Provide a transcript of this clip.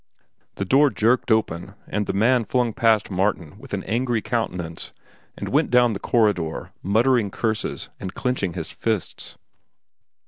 The door jerked open, and the man flung past Martin, with an angry countenance and went down the corridor, muttering curses and clenching his fists.